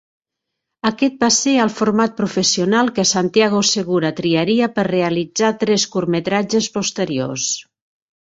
Aquest va ser el format professional que Santiago Segura triaria per realitzar tres curtmetratges posteriors.